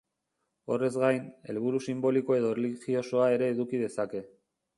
Horrez gain, helburu sinboliko edo erlijiosoa ere eduki dezake.